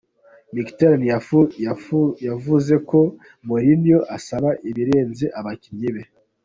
Mkhitaryan yafuze ko Mourinho asaba ibirenze abakinnyi be.